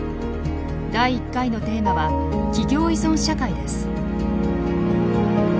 第１回のテーマは「企業依存社会」です。